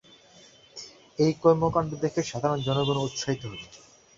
এই কর্মকাণ্ড দেখে সাধারণ জনগনও উৎসাহিত হবে।